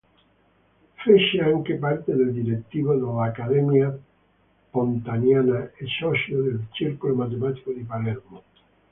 Fece anche parte del direttivo dell'Accademia pontaniana e socio del Circolo matematico di Palermo.